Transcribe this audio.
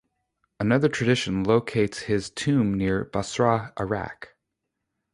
Another tradition locates his tomb near Basra, Iraq.